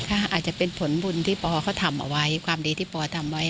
อาจจะเป็นผลบุญที่ปอเขาทำเอาไว้ความดีที่ปอทำไว้